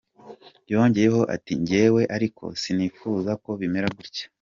Yongeyeho ati “…Njyewe ariko sinifuzaga ko bimera gutya.